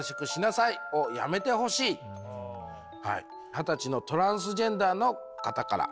二十歳のトランスジェンダーの方から。